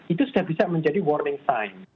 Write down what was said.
itu sudah bisa menjadi warning science